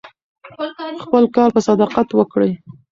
خپل کار په صداقت وکړئ.